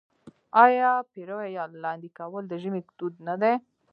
آیا پېروی یا لاندی کول د ژمي دود نه دی؟